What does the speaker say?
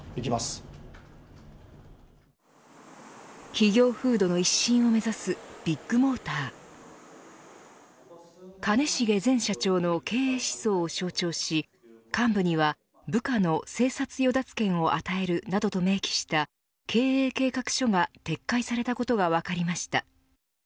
企業風土の一新を目指すビッグモーターは兼重前社長の経営思想を象徴し幹部には部下の生殺与奪権を与えるなどと明記した経営企画書が撤回されたことが分かりました。